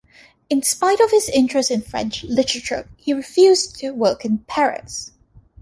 In spite of his interest in French literature, he refused to work in Paris.